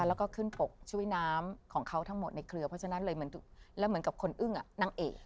แล้วก็ขึ้นปกช่วยน้ำของเขาทั้งหมดในเครือเพราะฉะนั้นเลยเหมือนแล้วเหมือนกับคนอึ้งนางเอก